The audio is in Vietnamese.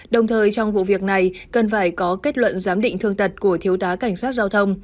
đồng thời trong vụ việc này cần phải có kết luận giám định thương tật của thiếu tá cảnh sát giao thông